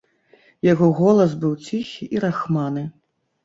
Яго голас быў ціхі і рахманы.